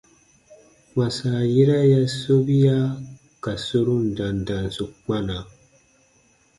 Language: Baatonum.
Kpãsa yera ya sobia ka sorun dandansu kpana.